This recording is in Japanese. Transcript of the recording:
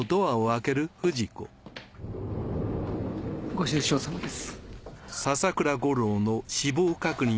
ご愁傷さまです。